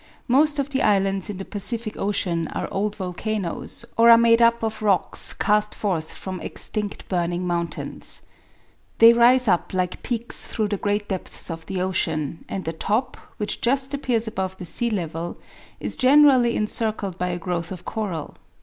Most of the islands in the Pacific Ocean are old volcanoes, or are made up of rocks cast forth from extinct burning mountains. They rise up like peaks through the great depths of the ocean, and the top, which just appears above the sea level, is generally encircled by a growth of coral.